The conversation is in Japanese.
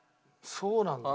そうなんだ。